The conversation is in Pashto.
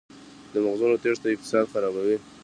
د مغزونو تیښته اقتصاد خرابوي؟